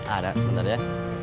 ada sebentar ya